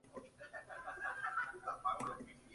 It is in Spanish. N. Fragoso-Moura, C. C. T. Lucas y F. A. R. Barbosa.